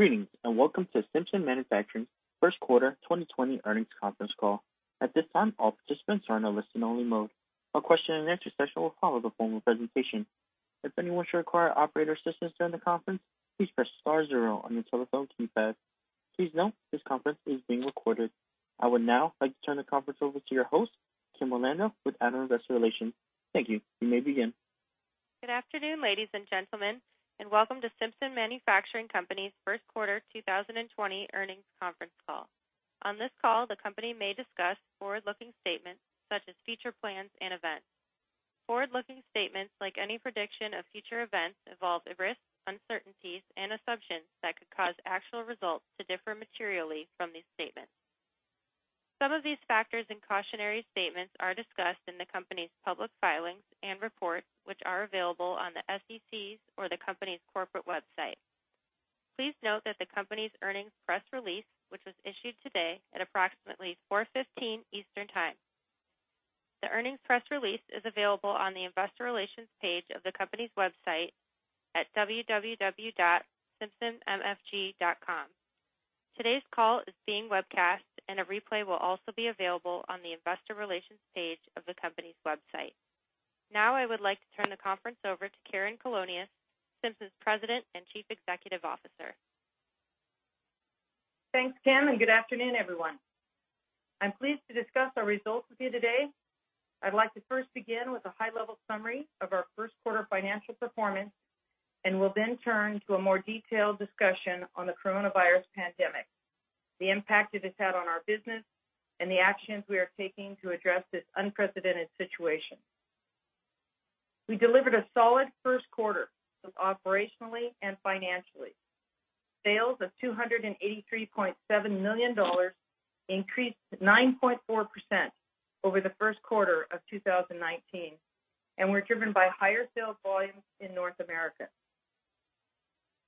Greetings and welcome to Simpson Manufacturing's first quarter 2020 earnings conference call. At this time, all participants are in a listen-only mode. A question-and-answer session will follow the formal presentation. If anyone should require operator assistance during the conference, please press star zero on your telephone keypad. Please note, this conference is being recorded. I would now like to turn the conference over to your host, Kim Orlando, with Addo Investor Relations. Thank you. You may begin. Good afternoon, ladies and gentlemen, and welcome to Simpson Manufacturing Company's first quarter 2020 earnings conference call. On this call, the company may discuss forward-looking statements such as future plans and events. Forward-looking statements, like any prediction of future events, involve risks, uncertainties, and assumptions that could cause actual results to differ materially from these statements. Some of these factors and cautionary statements are discussed in the company's public filings and reports, which are available on the SEC's or the company's corporate website. Please note that the company's earnings press release, which was issued today at approximately 4:15 P.M. Eastern Time, is available on the investor relations page of the company's website at www.simpsonmfg.com. Today's call is being webcast, and a replay will also be available on the investor relations page of the company's website. Now, I would like to turn the conference over to Karen Colonias, Simpson's President and Chief Executive Officer. Thanks, Kim, and good afternoon, everyone. I'm pleased to discuss our results with you today. I'd like to first begin with a high-level summary of our first quarter financial performance, and we'll then turn to a more detailed discussion on the coronavirus pandemic, the impact it has had on our business, and the actions we are taking to address this unprecedented situation. We delivered a solid first quarter both operationally and financially. Sales of $283.7 million increased 9.4% over the first quarter of 2019, and were driven by higher sales volumes in North America.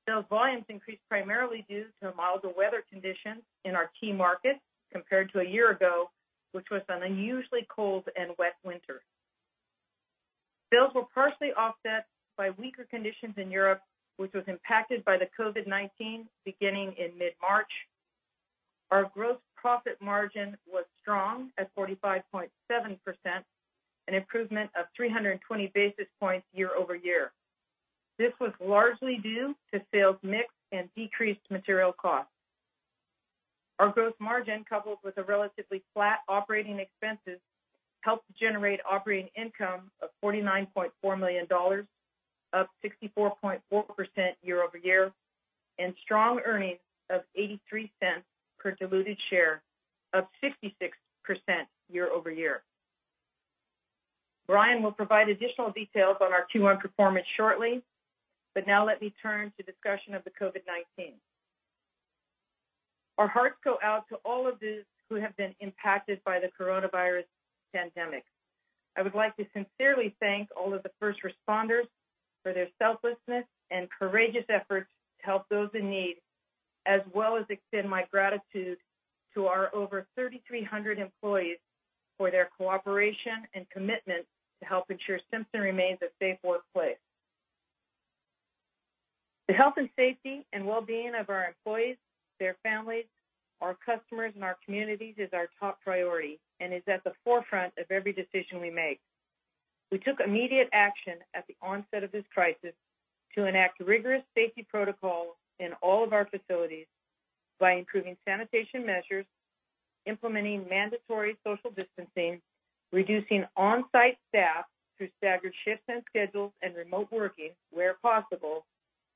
Sales volumes increased primarily due to milder weather conditions in our key markets compared to a year ago, which was an unusually cold and wet winter. Sales were partially offset by weaker conditions in Europe, which was impacted by the COVID-19 beginning in mid-March. Our gross profit margin was strong at 45.7%, an improvement of 320 basis points year over year. This was largely due to sales mix and decreased material costs. Our gross margin, coupled with relatively flat operating expenses, helped generate operating income of $49.4 million, up 64.4% year over year, and strong earnings of $0.83 per diluted share, up 66% year over year. Brian will provide additional details on our Q1 performance shortly, but now let me turn to discussion of the COVID-19. Our hearts go out to all of those who have been impacted by the coronavirus pandemic. I would like to sincerely thank all of the first responders for their selflessness and courageous efforts to help those in need, as well as extend my gratitude to our over 3,300 employees for their cooperation and commitment to help ensure Simpson remains a safe workplace. The health and safety and well-being of our employees, their families, our customers, and our communities is our top priority and is at the forefront of every decision we make. We took immediate action at the onset of this crisis to enact rigorous safety protocols in all of our facilities by improving sanitation measures, implementing mandatory social distancing, reducing on-site staff through staggered shifts and schedules and remote working where possible,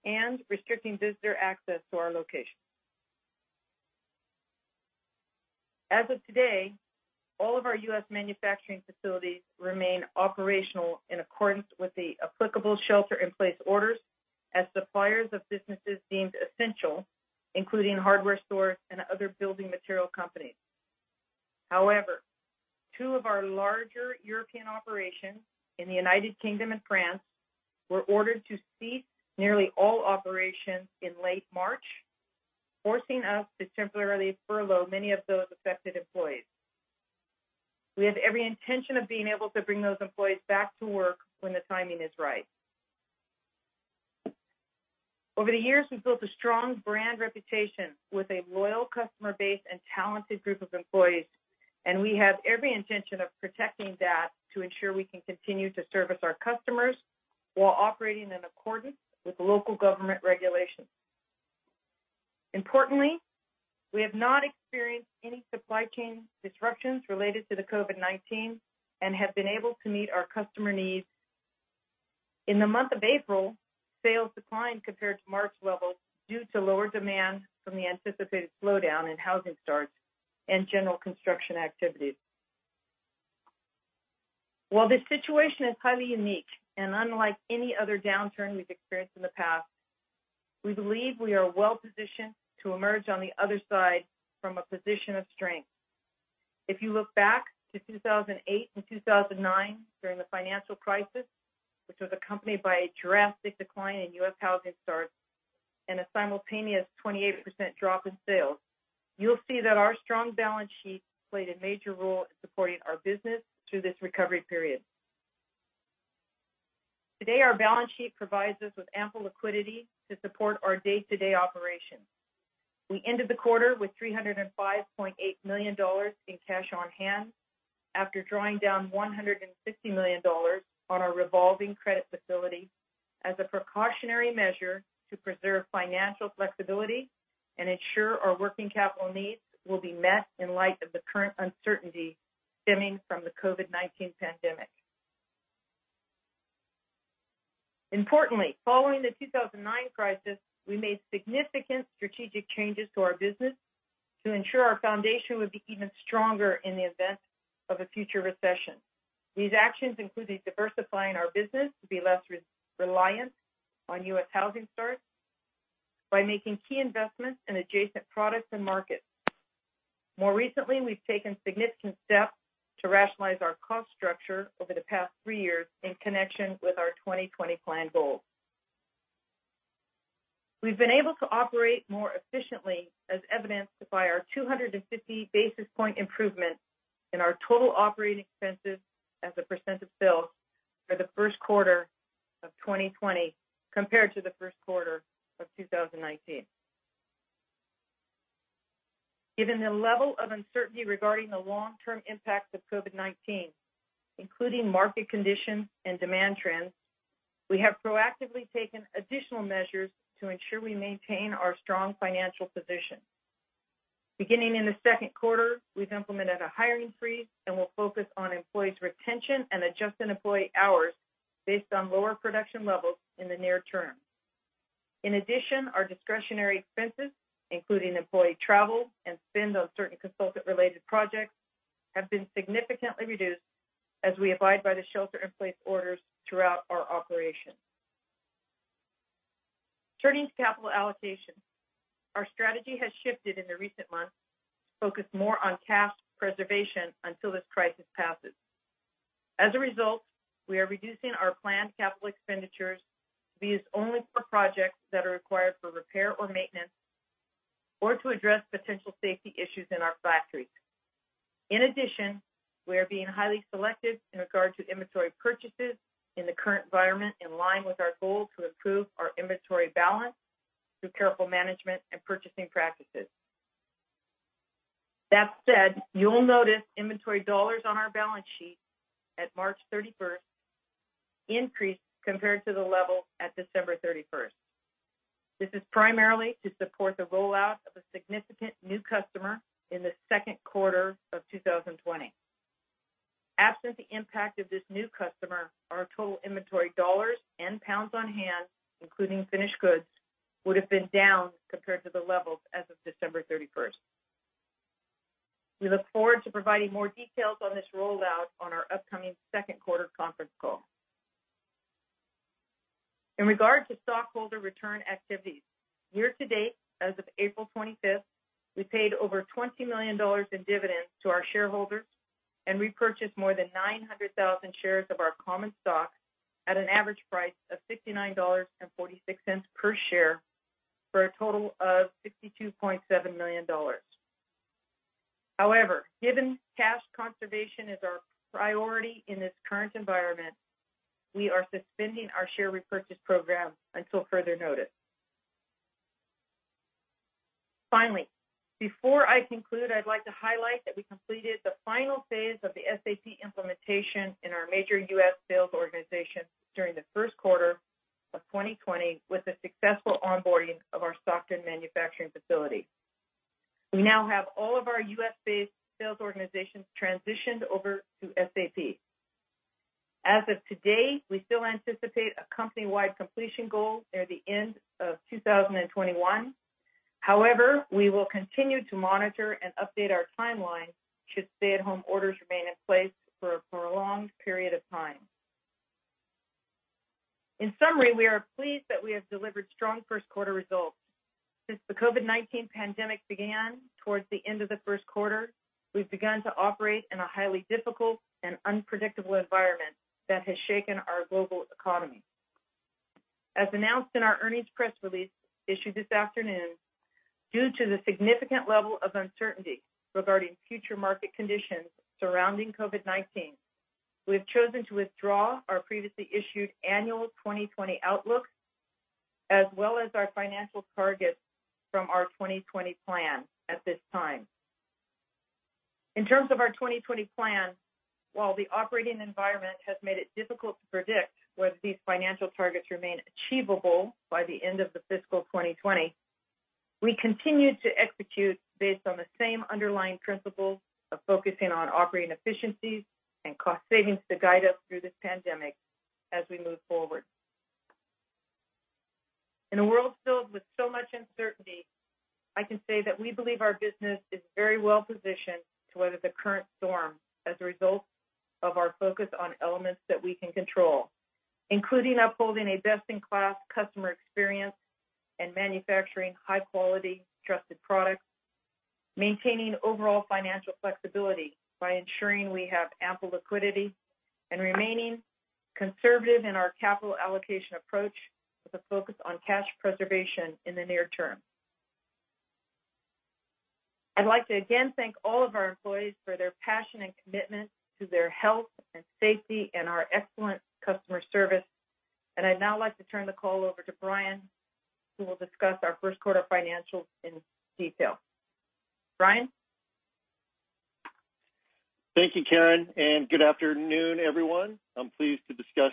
and restricting visitor access to our locations. As of today, all of our U.S. manufacturing facilities remain operational in accordance with the applicable shelter-in-place orders as suppliers of businesses deemed essential, including hardware stores and other building material companies. However, two of our larger European operations in the United Kingdom and France were ordered to cease nearly all operations in late March, forcing us to temporarily furlough many of those affected employees. We have every intention of being able to bring those employees back to work when the timing is right. Over the years, we've built a strong brand reputation with a loyal customer base and talented group of employees, and we have every intention of protecting that to ensure we can continue to service our customers while operating in accordance with local government regulations. Importantly, we have not experienced any supply chain disruptions related to the COVID-19 and have been able to meet our customer needs. In the month of April, sales declined compared to March levels due to lower demand from the anticipated slowdown in housing starts and general construction activities. While this situation is highly unique and unlike any other downturn we've experienced in the past, we believe we are well-positioned to emerge on the other side from a position of strength. If you look back to 2008 and 2009 during the financial crisis, which was accompanied by a drastic decline in U.S. housing starts and a simultaneous 28% drop in sales, you'll see that our strong balance sheet played a major role in supporting our business through this recovery period. Today, our balance sheet provides us with ample liquidity to support our day-to-day operations. We ended the quarter with $305.8 million in cash on hand after drawing down $150 million on our revolving credit facility as a precautionary measure to preserve financial flexibility and ensure our working capital needs will be met in light of the current uncertainty stemming from the COVID-19 pandemic. Importantly, following the 2009 crisis, we made significant strategic changes to our business to ensure our foundation would be even stronger in the event of a future recession. These actions included diversifying our business to be less reliant on U.S. housing starts by making key investments in adjacent products and markets. More recently, we've taken significant steps to rationalize our cost structure over the past three years in connection with our 2020 planned goals. We've been able to operate more efficiently, as evidenced by our 250 basis point improvement in our total operating expenses as a % of sales for the first quarter of 2020 compared to the first quarter of 2019. Given the level of uncertainty regarding the long-term impacts of COVID-19, including market conditions and demand trends, we have proactively taken additional measures to ensure we maintain our strong financial position. Beginning in the second quarter, we've implemented a hiring freeze and will focus on employees' retention and adjusted employee hours based on lower production levels in the near term. In addition, our discretionary expenses, including employee travel and spend on certain consultant-related projects, have been significantly reduced as we abide by the shelter-in-place orders throughout our operation. Turning to capital allocation, our strategy has shifted in the recent months to focus more on cash preservation until this crisis passes. As a result, we are reducing our planned capital expenditures to be used only for projects that are required for repair or maintenance or to address potential safety issues in our factories. In addition, we are being highly selective in regard to inventory purchases in the current environment, in line with our goal to improve our inventory balance through careful management and purchasing practices. That said, you'll notice inventory dollars on our balance sheet at March 31, increased compared to the level at December 31. This is primarily to support the rollout of a significant new customer in the second quarter of 2020. Absent the impact of this new customer, our total inventory dollars and pounds on hand, including finished goods, would have been down compared to the levels as of December 31. We look forward to providing more details on this rollout on our upcoming second quarter conference call. In regard to stockholder return activities, year to date, as of April 25, we paid over $20 million in dividends to our shareholders and repurchased more than 900,000 shares of our common stock at an average price of $69.46 per share for a total of $62.7 million. However, given cash conservation is our priority in this current environment, we are suspending our share repurchase program until further notice. Finally, before I conclude, I'd like to highlight that we completed the final phase of the SAP implementation in our major U.S. sales organizations during the first quarter of 2020 with the successful onboarding of our Stockton manufacturing facility. We now have all of our U.S.-based sales organizations transitioned over to SAP. As of today, we still anticipate a company-wide completion goal near the end of 2021. However, we will continue to monitor and update our timeline should stay-at-home orders remain in place for a prolonged period of time. In summary, we are pleased that we have delivered strong first quarter results. Since the COVID-19 pandemic began towards the end of the first quarter, we've begun to operate in a highly difficult and unpredictable environment that has shaken our global economy. As announced in our earnings press release issued this afternoon, due to the significant level of uncertainty regarding future market conditions surrounding COVID-19, we have chosen to withdraw our previously issued annual 2020 outlook, as well as our financial targets from our 2020 Plan at this time. In terms of our 2020 Plan, while the operating environment has made it difficult to predict whether these financial targets remain achievable by the end of the fiscal 2020, we continue to execute based on the same underlying principles of focusing on operating efficiencies and cost savings to guide us through this pandemic as we move forward. In a world filled with so much uncertainty, I can say that we believe our business is very well-positioned to weather the current storm as a result of our focus on elements that we can control, including upholding a best-in-class customer experience and manufacturing high-quality, trusted products, maintaining overall financial flexibility by ensuring we have ample liquidity, and remaining conservative in our capital allocation approach with a focus on cash preservation in the near term. I'd like to again thank all of our employees for their passion and commitment to their health and safety and our excellent customer service. And I'd now like to turn the call over to Brian, who will discuss our first quarter financials in detail. Brian? Thank you, Karen, and good afternoon, everyone. I'm pleased to discuss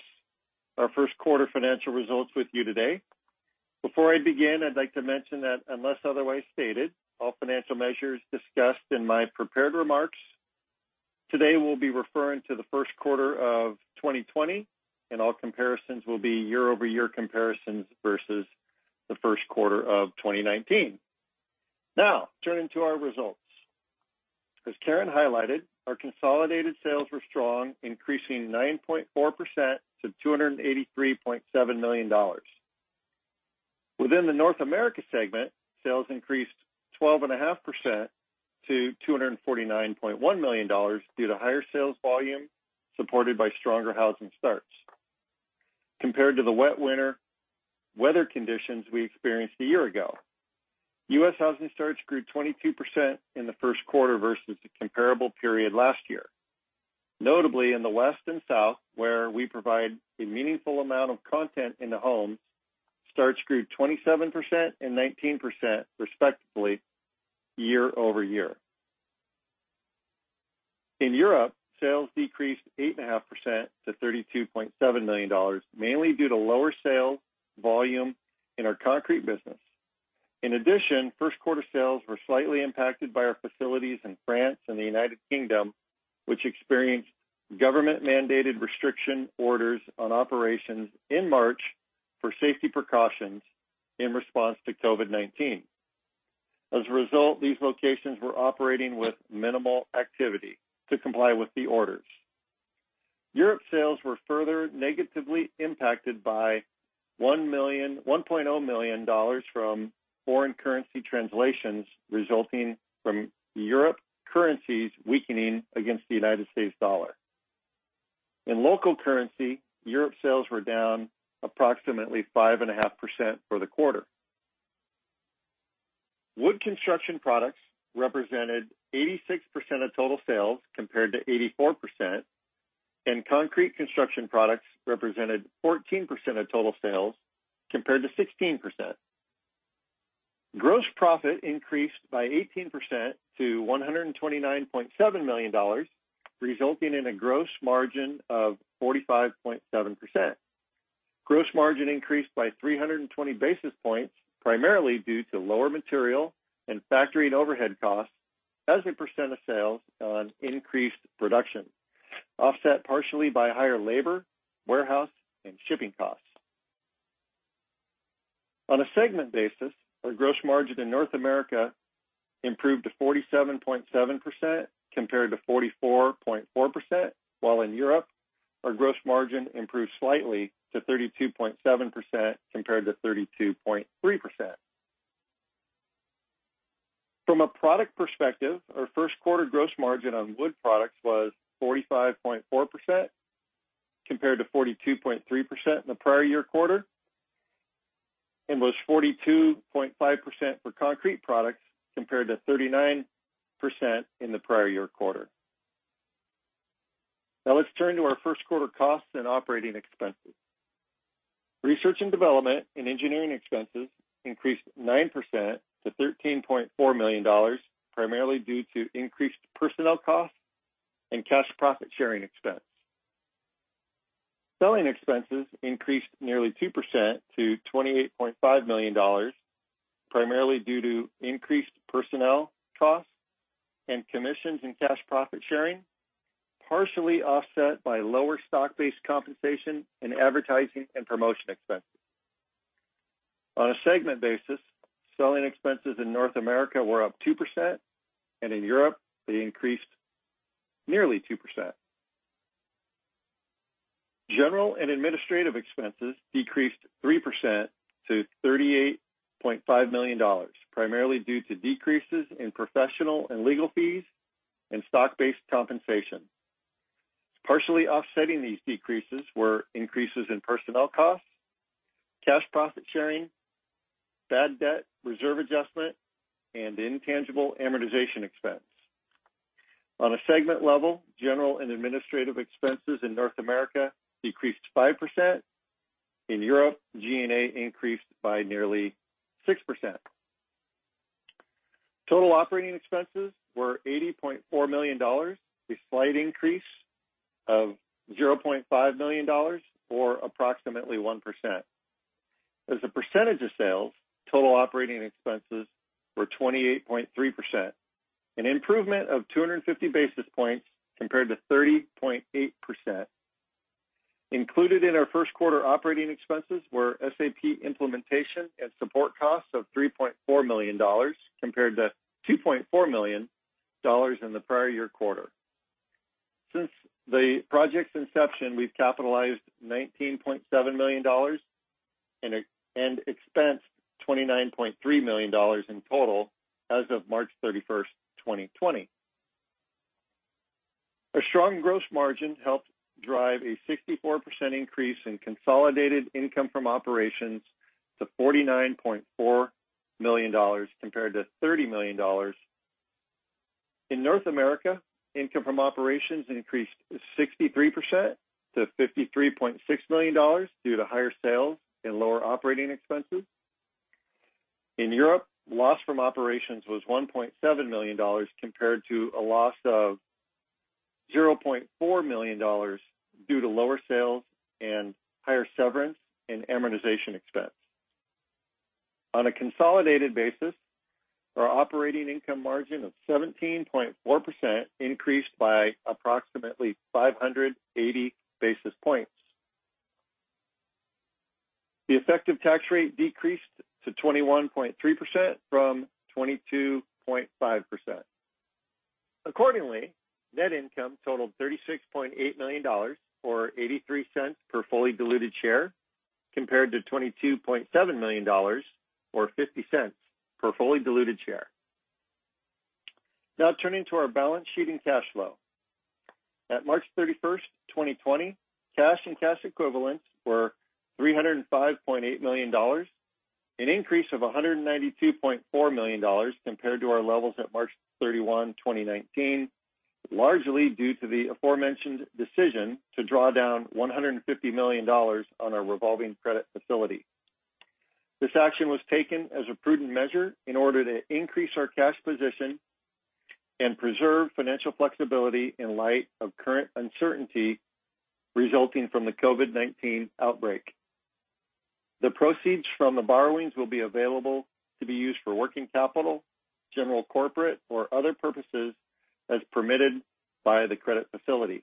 our first quarter financial results with you today. Before I begin, I'd like to mention that, unless otherwise stated, all financial measures discussed in my prepared remarks today will be referring to the first quarter of 2020, and all comparisons will be year-over-year comparisons versus the first quarter of 2019. Now, turning to our results. As Karen highlighted, our consolidated sales were strong, increasing 9.4% to $283.7 million. Within the North America segment, sales increased 12.5% to $249.1 million due to higher sales volume supported by stronger housing starts compared to the wet winter weather conditions we experienced a year ago. U.S. housing starts grew 22% in the first quarter versus a comparable period last year. Notably, in the West and South, where we provide a meaningful amount of connectors in the homes, starts grew 27% and 19%, respectively, year over year. In Europe, sales decreased 8.5% to $32.7 million, mainly due to lower sales volume in our concrete business. In addition, first quarter sales were slightly impacted by our facilities in France and the United Kingdom, which experienced government-mandated restriction orders on operations in March for safety precautions in response to COVID-19. As a result, these locations were operating with minimal activity to comply with the orders. European sales were further negatively impacted by $1.0 million from foreign currency translations resulting from European currencies weakening against the United States dollar. In local currency, European sales were down approximately 5.5% for the quarter. Wood construction products represented 86% of total sales compared to 84%, and concrete construction products represented 14% of total sales compared to 16%. Gross profit increased by 18% to $129.7 million, resulting in a gross margin of 45.7%. Gross margin increased by 320 basis points, primarily due to lower material and factory overhead costs as a percent of sales on increased production, offset partially by higher labor, warehouse, and shipping costs. On a segment basis, our gross margin in North America improved to 47.7% compared to 44.4%, while in Europe, our gross margin improved slightly to 32.7% compared to 32.3%. From a product perspective, our first quarter gross margin on wood products was 45.4% compared to 42.3% in the prior year quarter, and was 42.5% for concrete products compared to 39% in the prior year quarter. Now, let's turn to our first quarter costs and operating expenses. Research and development and engineering expenses increased 9% to $13.4 million, primarily due to increased personnel costs and cash profit sharing expense. Selling expenses increased nearly 2% to $28.5 million, primarily due to increased personnel costs and commissions and cash profit sharing, partially offset by lower stock-based compensation and advertising and promotion expenses. On a segment basis, selling expenses in North America were up 2%, and in Europe, they increased nearly 2%. General and administrative expenses decreased 3% to $38.5 million, primarily due to decreases in professional and legal fees and stock-based compensation. Partially offsetting these decreases were increases in personnel costs, cash profit sharing, bad debt reserve adjustment, and intangible amortization expense. On a segment level, general and administrative expenses in North America decreased 5%. In Europe, G&A increased by nearly 6%. Total operating expenses were $80.4 million, a slight increase of $0.5 million or approximately 1%. As a percentage of sales, total operating expenses were 28.3%, an improvement of 250 basis points compared to 30.8%. Included in our first quarter operating expenses were SAP implementation and support costs of $3.4 million compared to $2.4 million in the prior year quarter. Since the project's inception, we've capitalized $19.7 million and expensed $29.3 million in total as of March 31, 2020. A strong gross margin helped drive a 64% increase in consolidated income from operations to $49.4 million compared to $30 million. In North America, income from operations increased 63% to $53.6 million due to higher sales and lower operating expenses. In Europe, loss from operations was $1.7 million compared to a loss of $0.4 million due to lower sales and higher severance and amortization expense. On a consolidated basis, our operating income margin of 17.4% increased by approximately 580 basis points. The effective tax rate decreased to 21.3% from 22.5%. Accordingly, net income totaled $36.8 million or $0.83 per fully diluted share compared to $22.7 million or $0.50 per fully diluted share. Now, turning to our balance sheet and cash flow. At March 31, 2020, cash and cash equivalents were $305.8 million, an increase of $192.4 million compared to our levels at March 31, 2019, largely due to the aforementioned decision to draw down $150 million on our revolving credit facility. This action was taken as a prudent measure in order to increase our cash position and preserve financial flexibility in light of current uncertainty resulting from the COVID-19 outbreak. The proceeds from the borrowings will be available to be used for working capital, general corporate, or other purposes as permitted by the credit facility.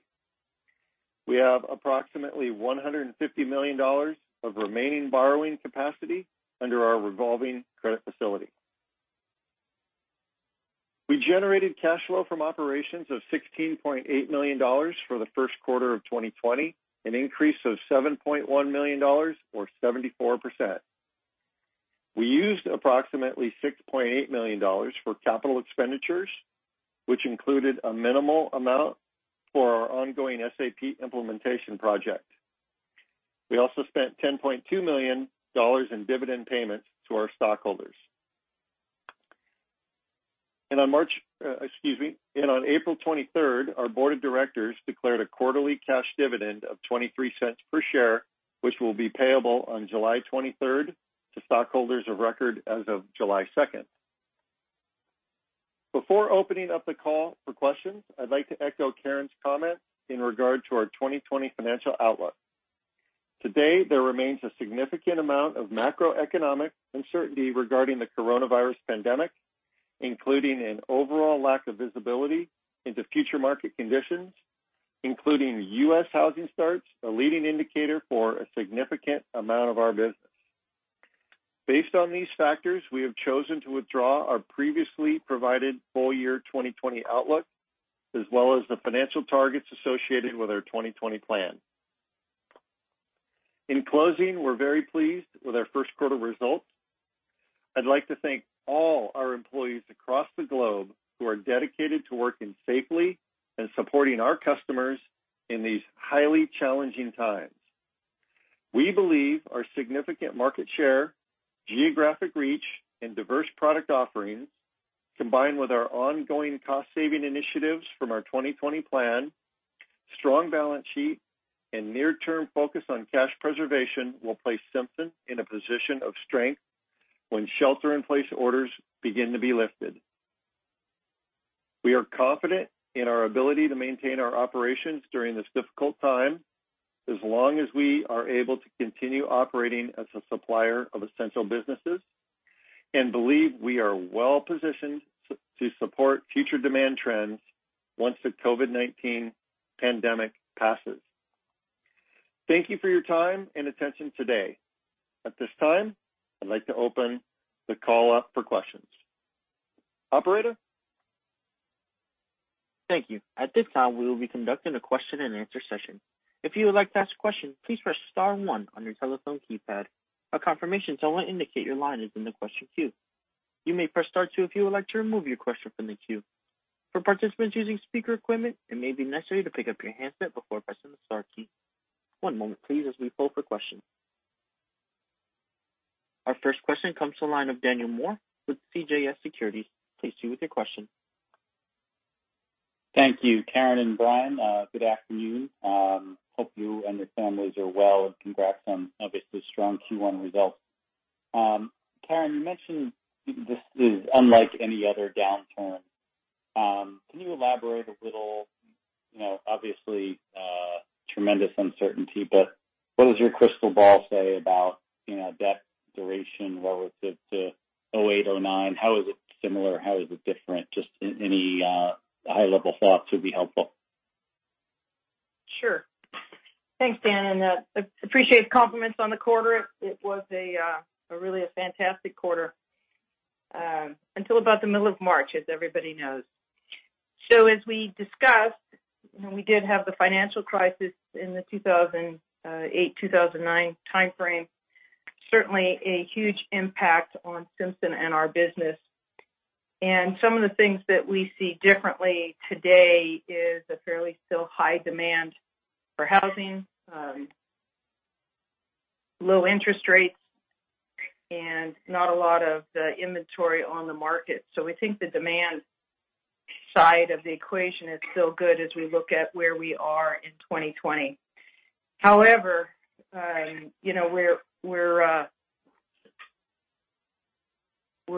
We have approximately $150 million of remaining borrowing capacity under our revolving credit facility. We generated cash flow from operations of $16.8 million for the first quarter of 2020, an increase of $7.1 million or 74%. We used approximately $6.8 million for capital expenditures, which included a minimal amount for our ongoing SAP implementation project. We also spent $10.2 million in dividend payments to our stockholders. And on March, excuse me, and on April 23, our board of directors declared a quarterly cash dividend of $0.23 per share, which will be payable on July 23 to stockholders of record as of July 2. Before opening up the call for questions, I'd like to echo Karen's comments in regard to our 2020 financial outlook. Today, there remains a significant amount of macroeconomic uncertainty regarding the coronavirus pandemic, including an overall lack of visibility into future market conditions, including U.S. housing starts, a leading indicator for a significant amount of our business. Based on these factors, we have chosen to withdraw our previously provided full year 2020 outlook, as well as the financial targets associated with our 2020 plan. In closing, we're very pleased with our first quarter results. I'd like to thank all our employees across the globe who are dedicated to working safely and supporting our customers in these highly challenging times. We believe our significant market share, geographic reach, and diverse product offerings, combined with our ongoing cost-saving initiatives from our 2020 plan, strong balance sheet, and near-term focus on cash preservation, will place Simpson in a position of strength when shelter-in-place orders begin to be lifted. We are confident in our ability to maintain our operations during this difficult time as long as we are able to continue operating as a supplier of essential businesses and believe we are well-positioned to support future demand trends once the COVID-19 pandemic passes. Thank you for your time and attention today. At this time, I'd like to open the call up for questions. Operator? Thank you. At this time, we will be conducting a question-and-answer session. If you would like to ask a question, please press Star 1 on your telephone keypad. A confirmation to indicate your line is in the question queue. You may press Star 2 if you would like to remove your question from the queue. For participants using speaker equipment, it may be necessary to pick up your handset before pressing the Star key. One moment, please, as we poll for questions. Our first question comes from the line of Daniel Moore with CJS Securities. Please proceed with your question. Thank you, Karen and Brian. Good afternoon. Hope you and your families are well and congrats on, obviously, strong Q1 results. Karen, you mentioned this is unlike any other downturn. Can you elaborate a little? Obviously, tremendous uncertainty, but what does your crystal ball say about downturn duration relative to 2008, 2009? How is it similar? How is it different? Just any high-level thoughts would be helpful. Sure. Thanks, Dan, and I appreciate the compliments on the quarter. It was really a fantastic quarter until about the middle of March, as everybody knows, so, as we discussed, we did have the financial crisis in the 2008, 2009 timeframe, certainly a huge impact on Simpson and our business. And some of the things that we see differently today is a fairly still high demand for housing, low interest rates, and not a lot of inventory on the market. So, we think the demand side of the equation is still good as we look at where we are in 2020. However, we're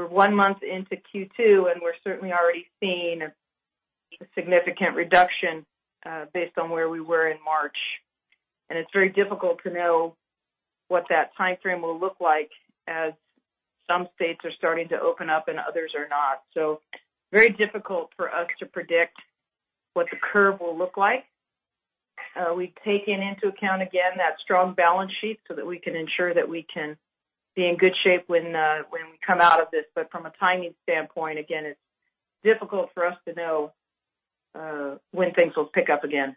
one month into Q2, and we're certainly already seeing a significant reduction based on where we were in March. And it's very difficult to know what that timeframe will look like as some states are starting to open up and others are not. So, very difficult for us to predict what the curve will look like. We've taken into account, again, that strong balance sheet so that we can ensure that we can be in good shape when we come out of this. But from a timing standpoint, again, it's difficult for us to know when things will pick up again.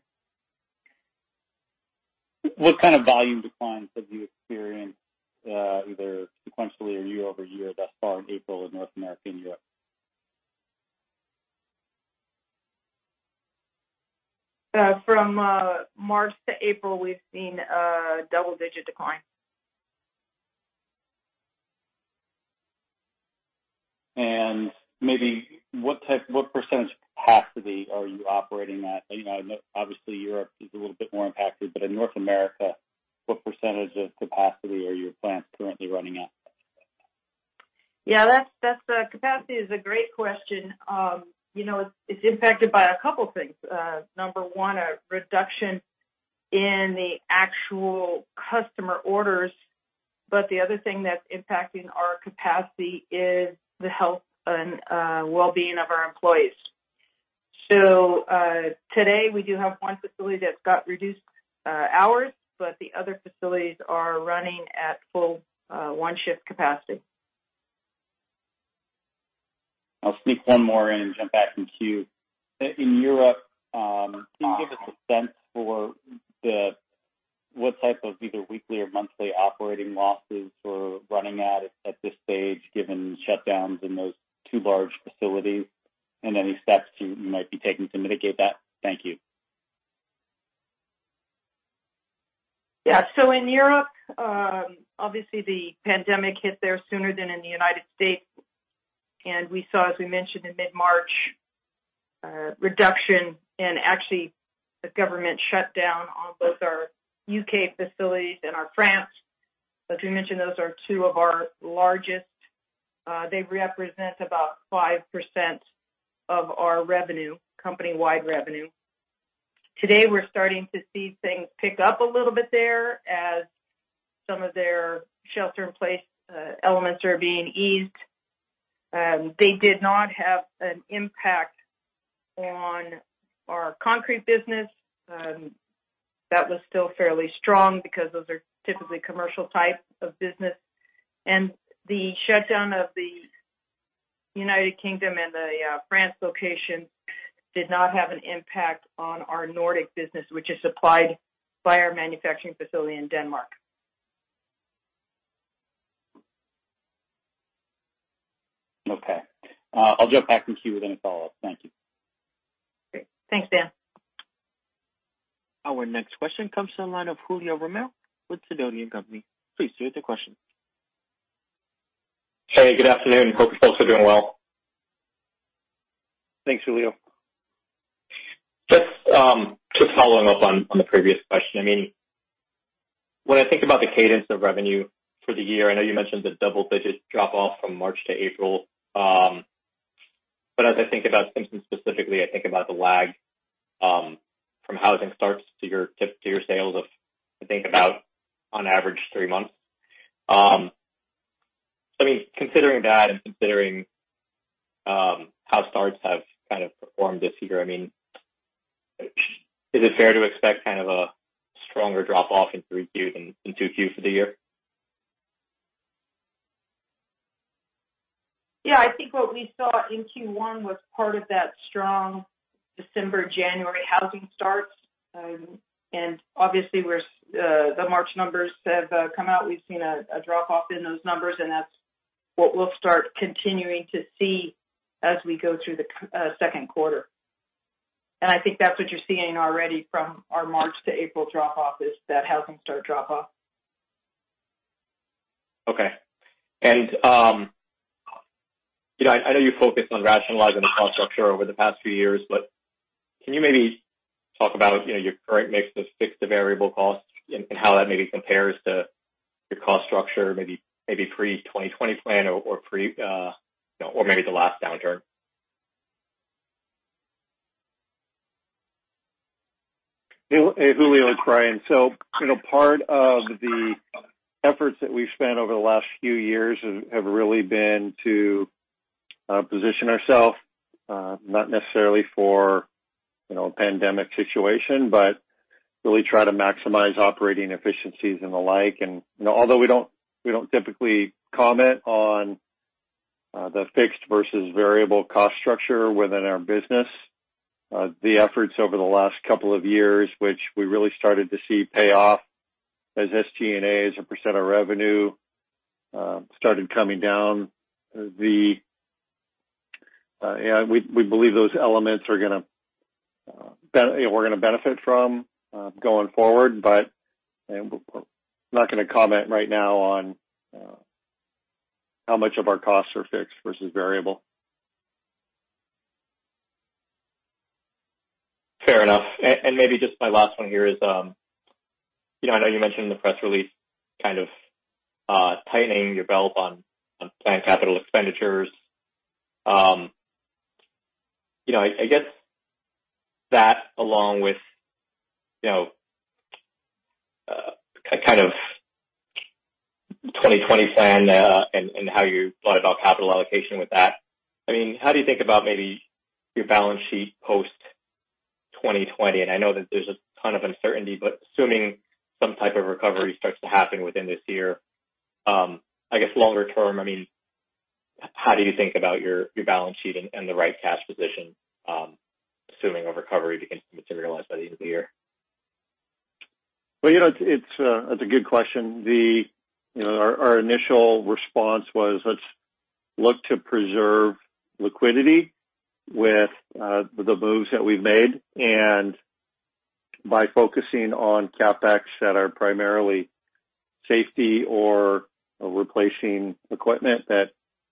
What kind of volume declines have you experienced either sequentially or year over year thus far in April in North America and Europe? From March to April, we've seen a double-digit decline. And maybe what percentage of capacity are you operating at? Obviously, Europe is a little bit more impacted, but in North America, what percentage of capacity are your plants currently running at? Yeah, that's the capacity is a great question. It's impacted by a couple of things. Number one, a reduction in the actual customer orders. But the other thing that's impacting our capacity is the health and well-being of our employees. So, today, we do have one facility that's got reduced hours, but the other facilities are running at full one-shift capacity. I'll sneak one more in and jump back in queue. In Europe, can you give us a sense for what type of either weekly or monthly operating losses we're running at this stage given shutdowns in those two large facilities and any steps you might be taking to mitigate that? Thank you. Yeah. So, in Europe, obviously, the pandemic hit there sooner than in the United States. And we saw, as we mentioned, in mid-March, a reduction in, actually, a government shutdown on both our U.K. facilities and our France. As we mentioned, those are two of our largest. They represent about 5% of our revenue, company-wide revenue. Today, we're starting to see things pick up a little bit there as some of their shelter-in-place elements are being eased. They did not have an impact on our concrete business. That was still fairly strong because those are typically commercial types of business, and the shutdown of the United Kingdom and the France location did not have an impact on our Nordic business, which is supplied by our manufacturing facility in Denmark. Okay. I'll jump back in queue with any follow-up. Thank you. Great. Thanks, Dan. Our next question comes from the line of Julio Romero with Sidoti & Company. Please state your question. Hey, good afternoon. Hope you're also doing well. Thanks, Julio. Just following up on the previous question, I mean, when I think about the cadence of revenue for the year, I know you mentioned the double-digit drop-off from March to April, but as I think about Simpson specifically, I think about the lag from housing starts to your sales of, I think, about, on average, three months. So, I mean, considering that and considering how starts have kind of performed this year, I mean, is it fair to expect kind of a stronger drop-off in Q2 than Q3 for the year? Yeah. I think what we saw in Q1 was part of that strong December, January housing starts. And obviously, the March numbers have come out. We've seen a drop-off in those numbers, and that's what we'll start continuing to see as we go through the second quarter. And I think that's what you're seeing already from our March to April drop-off is that housing start drop-off. Okay. And I know you focused on rationalizing the cost structure over the past few years, but can you maybe talk about your current mix of fixed and variable costs and how that maybe compares to your cost structure, maybe pre-2020 Plan or maybe the last downturn? Julio it's Brian, so part of the efforts that we've spent over the last few years have really been to position ourselves, not necessarily for a pandemic situation, but really try to maximize operating efficiencies and the like. And although we don't typically comment on the fixed versus variable cost structure within our business, the efforts over the last couple of years, which we really started to see pay off as SG&A as a % of revenue started coming down, we believe those elements are going to—we're going to benefit from going forward. But I'm not going to comment right now on how much of our costs are fixed versus variable. Fair enough. And maybe just my last one here is I know you mentioned in the press release kind of tightening your belt on plant capital expenditures. I guess that, along with kind of 2020 Plan and how you thought about capital allocation with that, I mean, how do you think about maybe your balance sheet post-2020? And I know that there's a ton of uncertainty, but assuming some type of recovery starts to happen within this year, I guess longer term, I mean, how do you think about your balance sheet and the right cash position, assuming a recovery begins to materialize by the end of the year? Well, it's a good question. Our initial response was, "Let's look to preserve liquidity with the moves that we've made." By focusing on CapEx that are primarily safety or replacing equipment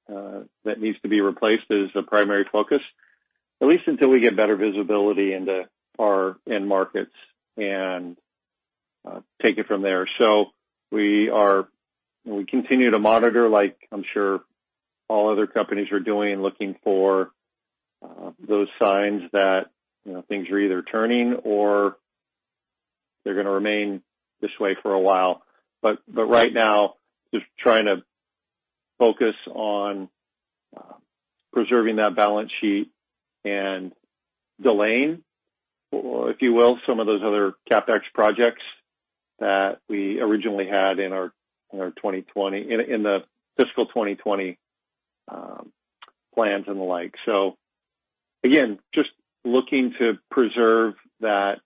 that needs to be replaced as a primary focus, at least until we get better visibility into our end markets and take it from there. So we continue to monitor, like I'm sure all other companies are doing, looking for those signs that things are either turning or they're going to remain this way for a while. But right now, just trying to focus on preserving that balance sheet and delaying, if you will, some of those other CapEx projects that we originally had in our fiscal 2020 plans and the like. So, again, just looking to preserve that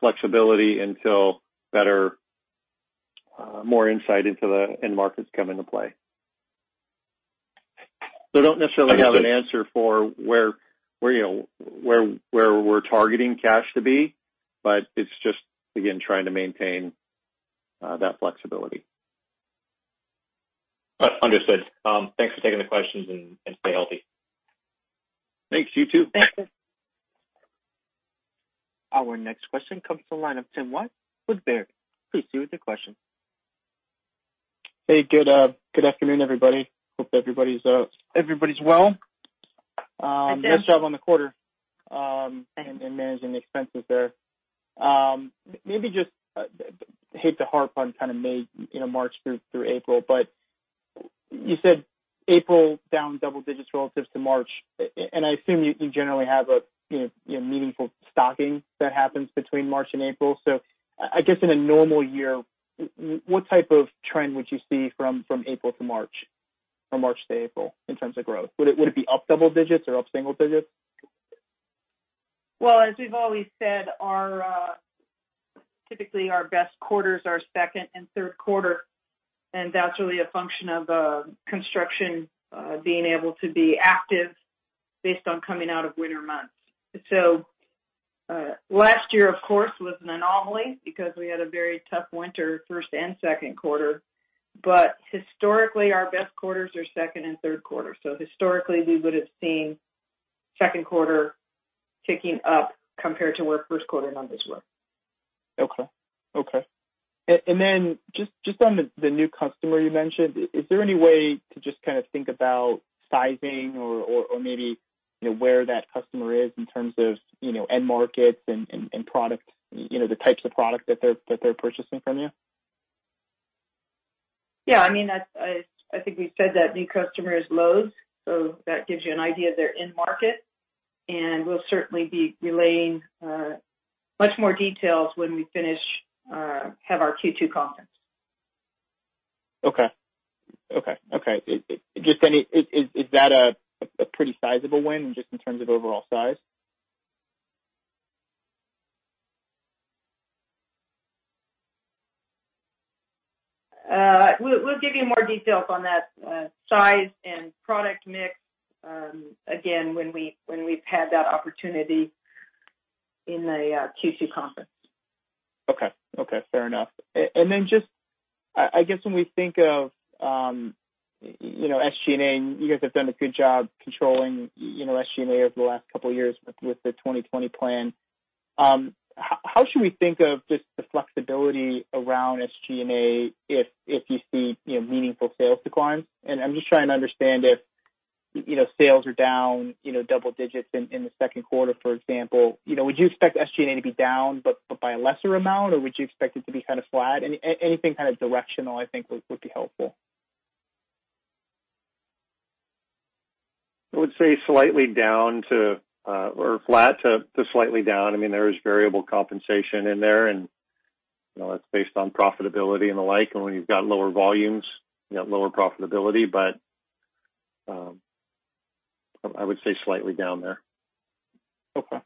flexibility until more insight into the end markets come into play. So I don't necessarily have an answer for where we're targeting cash to be, but it's just, again, trying to maintain that flexibility. Understood. Thanks for taking the questions and stay healthy. Thanks. You too. Thank you. Our next question comes from the line of Timothy Wojs, with Baird. Please state your question. Hey, good afternoon, everybody. Hope everybody's well. Nice job on the quarter and managing the expenses there. Maybe I just hate to harp on kind of March through April, but you said April down double digits relative to March, and I assume you generally have a meaningful stocking that happens between March and April, so I guess, in a normal year, what type of trend would you see from April to March or March to April in terms of growth? Would it be up double digits or up single digits? Well, as we've always said, typically, our best quarters are second and third quarter, and that's really a function of construction being able to be active based on coming out of winter months, so last year, of course, was an anomaly because we had a very tough winter first and second quarter, but historically, our best quarters are second and third quarter. So, historically, we would have seen second quarter ticking up compared to where first quarter numbers were. Okay. Okay. And then just on the new customer you mentioned, is there any way to just kind of think about sizing or maybe where that customer is in terms of end markets and the types of products that they're purchasing from you? Yeah. I mean, I think we said that new customer is Lowe's. So that gives you an idea of their end market. And we'll certainly be relaying much more details when we finish have our Q2 conference. Okay. Okay. Okay. Is that a pretty sizable win just in terms of overall size? We'll give you more details on that size and product mix, again, when we've had that opportunity in the Q2 conference. Okay. Okay. Fair enough. Then just, I guess, when we think of SG&A, you guys have done a good job controlling SG&A over the last couple of years with the 2020 Plan. How should we think of just the flexibility around SG&A if you see meaningful sales declines? And I'm just trying to understand if sales are down double digits in the second quarter, for example. Would you expect SG&A to be down but by a lesser amount, or would you expect it to be kind of flat? Anything kind of directional, I think, would be helpful. I would say slightly down to or flat to slightly down. I mean, there is variable compensation in there, and that's based on profitability and the like. And when you've got lower volumes, you've got lower profitability. But I would say slightly down there. Okay.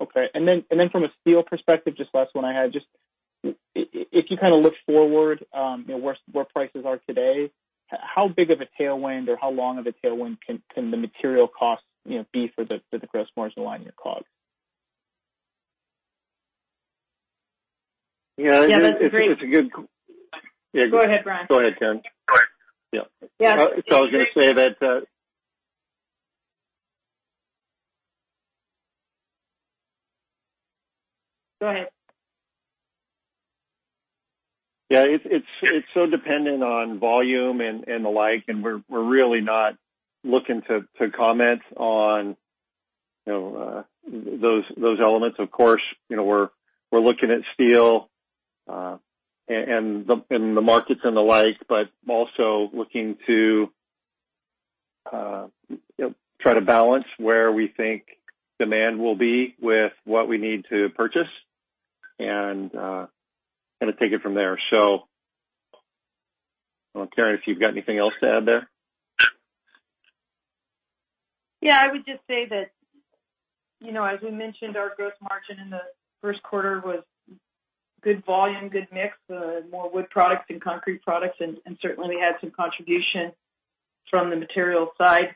Okay. And then from a steel perspective, just last one I had, just if you kind of look forward, where prices are today, how big of a tailwind or how long of a tailwind can the material costs be for the gross margin line in your COGS? Yeah. That's a great. Yeah. Go ahead, Brian. Go ahead, Karen. Go ahead. Yeah. So I was going to say that. Go ahead. Yeah. It's so dependent on volume and the like. And we're really not looking to comment on those elements. Of course, we're looking at steel and the markets and the like, but also looking to try to balance where we think demand will be with what we need to purchase and kind of take it from there. So I'm wondering if you've got anything else to add there. Yeah. I would just say that, as we mentioned, our gross margin in the first quarter was good volume, good mix, more wood products and concrete products. And certainly, we had some contribution from the material side.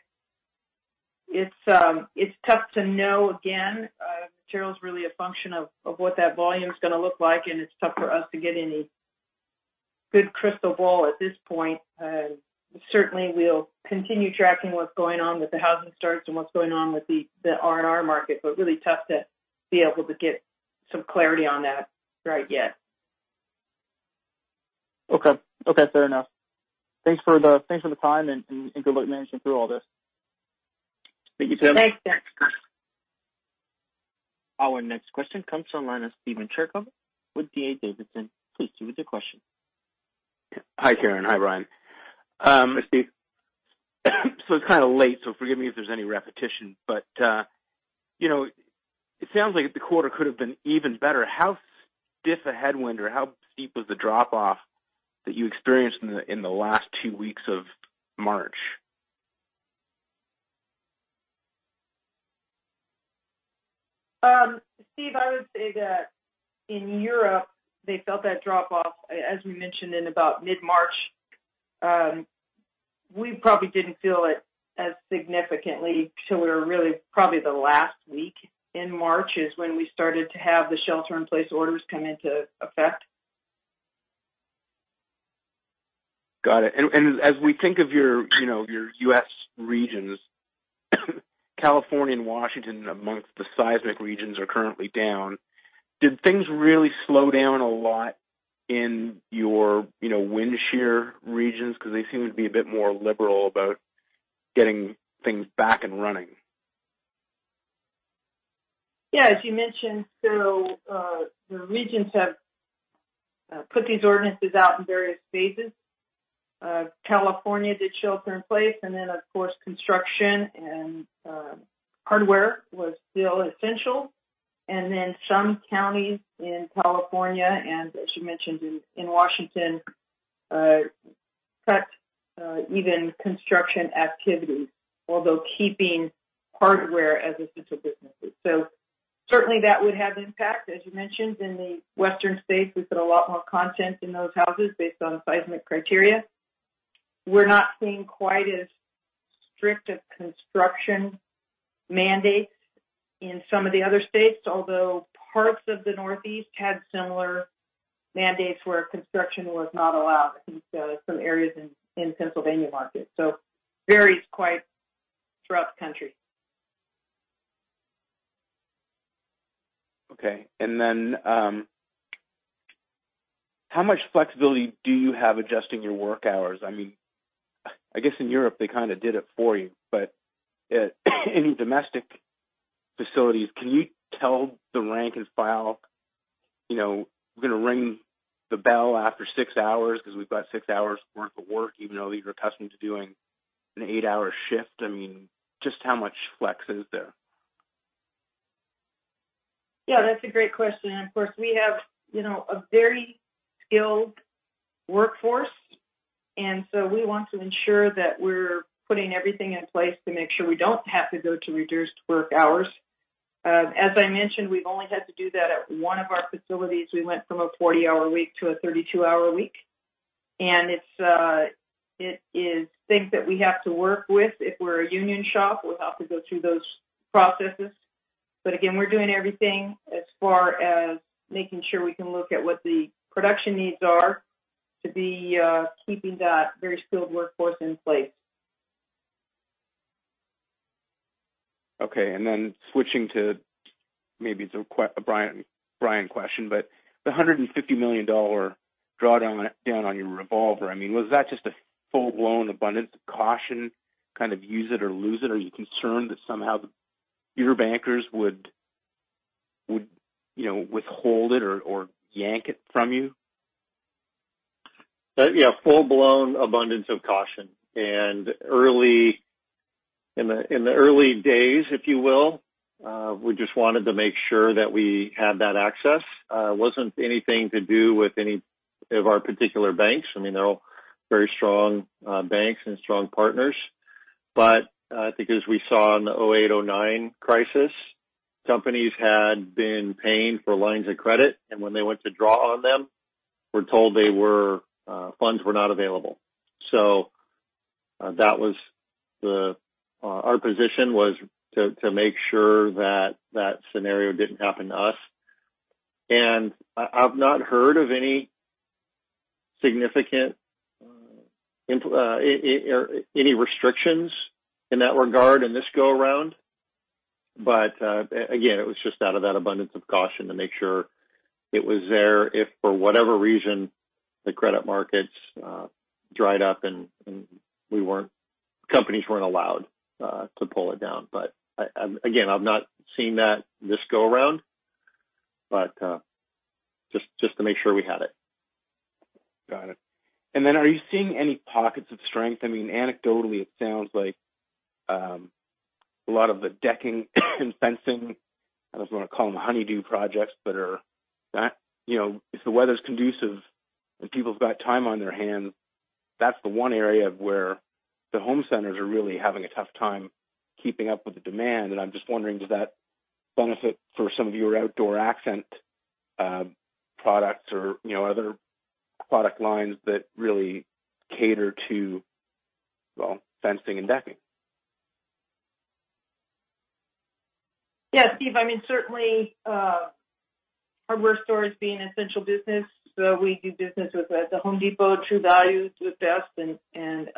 It's tough to know, again. Material is really a function of what that volume is going to look like. And it's tough for us to get any good crystal ball at this point. Certainly, we'll continue tracking what's going on with the housing starts and what's going on with the R&R market. But really tough to be able to get some clarity on that right yet. Okay. Okay. Fair enough. Thanks for the time and good luck managing through all this. Thank you, Tim. Thanks. Our next question comes from the line of Steven Chercover with D.A. Davidson. Please state your question. Hi, Karen. Hi, Brian. Hi, Steve. So it's kind of late, so forgive me if there's any repetition. But it sounds like the quarter could have been even better. How stiff a headwind or how steep was the drop-off that you experienced in the last two weeks of March? Steve, I would say that in Europe, they felt that drop-off, as we mentioned, in about mid-March. We probably didn't feel it as significantly till really probably the last week in March is when we started to have the shelter-in-place orders come into effect. Got it. And as we think of your U.S. regions, California and Washington, among the seismic regions, are currently down. Did things really slow down a lot in your wind shear regions? Because they seem to be a bit more liberal about getting things back and running. Yeah. As you mentioned, so the regions have put these ordinances out in various phases. California did shelter-in-place. And then, of course, construction and hardware was still essential. And then some counties in California and, as you mentioned, in Washington cut even construction activities, although keeping hardware as essential businesses. So certainly, that would have impact. As you mentioned, in the Western States, we put a lot more content in those houses based on seismic criteria. We're not seeing quite as strict of construction mandates in some of the other states, although parts of the Northeast had similar mandates where construction was not allowed in some areas in Pennsylvania markets. So it varies quite throughout the country. Okay. And then how much flexibility do you have adjusting your work hours? I mean, I guess in Europe, they kind of did it for you. But any domestic facilities, can you tell the rank and file, "We're going to ring the bell after six hours because we've got six hours' worth of work," even though you're accustomed to doing an eight-hour shift? I mean, just how much flex is there? Yeah. That's a great question. And of course, we have a very skilled workforce. And so we want to ensure that we're putting everything in place to make sure we don't have to go to reduced work hours. As I mentioned, we've only had to do that at one of our facilities. We went from a 40-hour week to a 32-hour week. And it is things that we have to work with. If we're a union shop, we'll have to go through those processes. But again, we're doing everything as far as making sure we can look at what the production needs are to be keeping that very skilled workforce in place. Okay. And then switching to maybe a Brian question, but the $150 million drawdown on your revolver, I mean, was that just a full-blown abundance of caution, kind of use it or lose it? Are you concerned that somehow your bankers would withhold it or yank it from you? Yeah. Full-blown abundance of caution. And in the early days, if you will, we just wanted to make sure that we had that access. It wasn't anything to do with any of our particular banks. I mean, they're all very strong banks and strong partners. But I think as we saw in the 2008, 2009 crisis, companies had been paying for lines of credit. And when they went to draw on them, we're told funds were not available. So that was our position, was to make sure that that scenario didn't happen to us. And I've not heard of any significant restrictions in that regard in this go-around. But again, it was just out of that abundance of caution to make sure it was there if, for whatever reason, the credit markets dried up and companies weren't allowed to pull it down. But again, I've not seen that this go-around, but just to make sure we had it. Got it. And then are you seeing any pockets of strength? I mean, anecdotally, it sounds like a lot of the decking and fencing. I don't know if you want to call them honey-do projects, but if the weather's conducive and people have got time on their hands, that's the one area where the home centers are really having a tough time keeping up with the demand. And I'm just wondering, does that benefit for some of your Outdoor Accents products or other product lines that really cater to, well, fencing and decking? Yeah. Steve, I mean, certainly, hardware stores being an essential business. So we do business with the Home Depot, True Value, the rest, and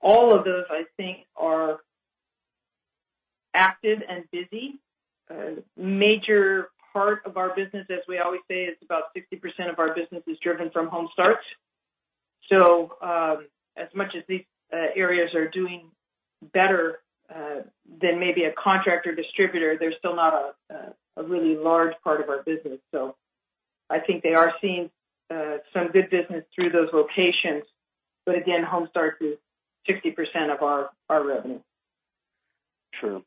all of those, I think, are active and busy. Major part of our business, as we always say, is about 60% of our business is driven from housing starts. So as much as these areas are doing better than maybe a contractor distributor, they're still not a really large part of our business. So I think they are seeing some good business through those locations. But again, housing starts is 60% of our revenue. Sure.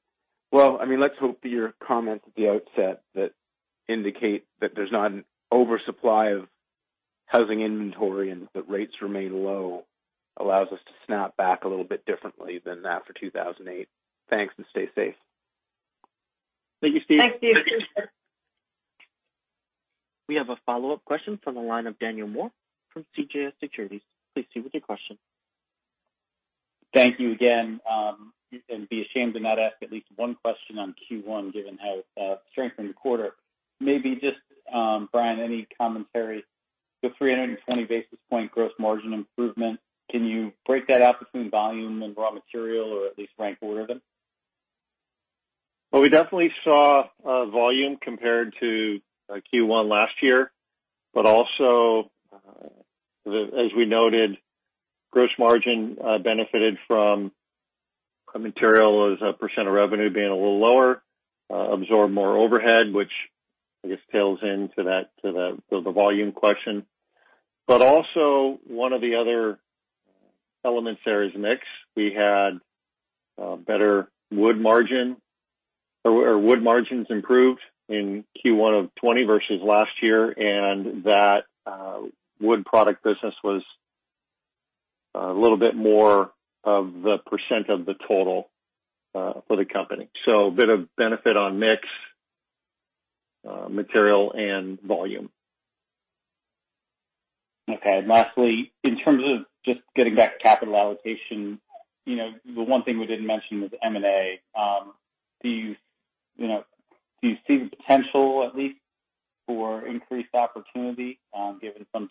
Well, I mean, let's hope that your comments at the outset that indicate that there's not an oversupply of housing inventory and that rates remain low allows us to snap back a little bit differently than after 2008. Thanks and stay safe. Thank you, Steve. Thanks, Steve. We have a follow-up question from the line of Daniel Moore from CJS Securities. Please proceed with your question. Thank you again. And don't be ashamed to ask at least one question on Q1, given how strong the quarter. Maybe just, Brian, any commentary? The 320 basis points gross margin improvement, can you break that out between volume and raw material or at least rank order them? Well, we definitely saw volume compared to Q1 last year. But also, as we noted, gross margin benefited from material as a % of revenue being a little lower, absorbed more overhead, which I guess tails into the volume question. But also, one of the other elements there is mix. We had better wood margins improved in Q1 of 2020 versus last year. And that wood product business was a little bit more of the % of the total for the company. So a bit of benefit on mix, material, and volume. Okay. Lastly, in terms of just getting back to capital allocation, the one thing we didn't mention was M&A. Do you see the potential, at least, for increased opportunity given some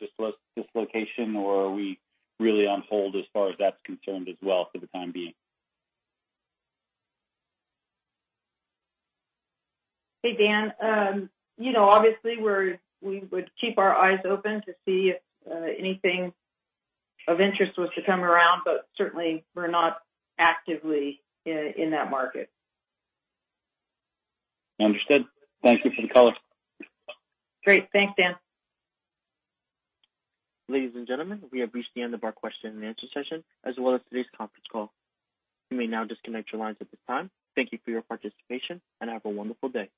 dislocation, or are we really on hold as far as that's concerned as well for the time being? Hey, Dan. Obviously, we would keep our eyes open to see if anything of interest was to come around. But certainly, we're not actively in that market. Understood. Thank you for the call. Great. Thanks, Dan. Ladies and gentlemen, we have reached the end of our question-and-answer session as well as today's conference call. You may now disconnect your lines at this time. Thank you for your participation, and have a wonderful day.